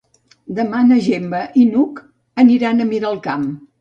Demà na Gemma i n'Hug aniran a Miralcamp.